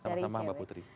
sama sama mbak putri